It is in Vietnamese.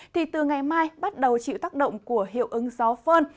thì từ ngày mai bắt đầu chịu tác động của hiệu ứng gió phơn